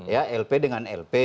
ya lp dengan lp